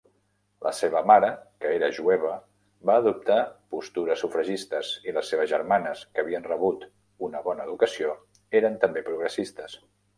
La seva mare, que era jueva, va adoptar postures sufragistes, i les seves germanes, que havien rebut una bona educació, eren també progressistes.